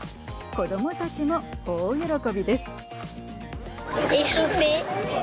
子どもたちも大喜びです。